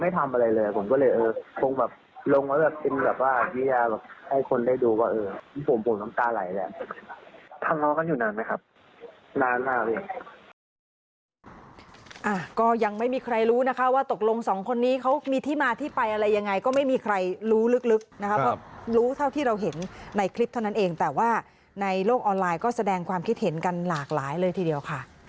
ทำร้องกันอยู่นานไหมครับนานมากเลย